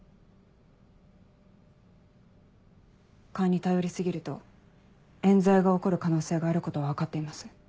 勘に頼り過ぎると冤罪が起こる可能性があることは分かっています。